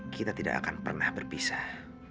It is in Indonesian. kita tidak akan pernah berpisah